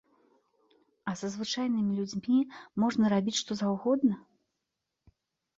А са звычайнымі людзьмі можна рабіць што заўгодна.